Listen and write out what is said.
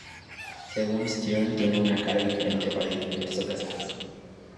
Según Stearn:Tienen una cara diferente para diferentes ocasiones.